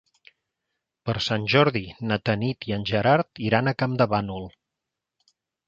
Per Sant Jordi na Tanit i en Gerard iran a Campdevànol.